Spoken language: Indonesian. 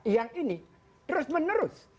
yang ini terus menerus